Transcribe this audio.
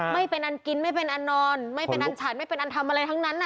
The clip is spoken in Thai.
ไม่เป็นอันกินไม่เป็นอันนอนไม่เป็นอันฉันไม่เป็นอันทำอะไรทั้งนั้น